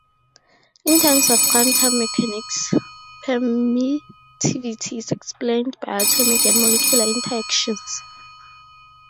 In terms of quantum mechanics, permittivity is explained by atomic and molecular interactions.